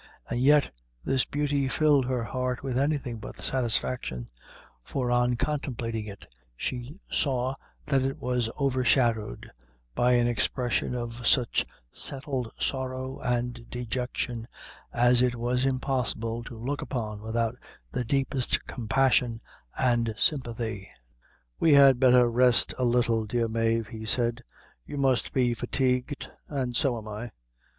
And yet this beauty filled her heart with anything but satisfaction; for on contemplating it, she saw that it was over shadowed by an expression of such settled sorrow and dejection, as it was impossible to look upon without the deepest compassion and sympathy. "We had betther rest a little, dear Mave," he said; "you must be fatigued, and so am I.